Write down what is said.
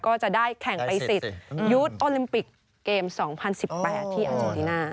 ก็จะได้แข่งไปสิทธิ์ยุทธ์โอลิมปิกเกม๒๐๑๘ที่อาเจนติน่า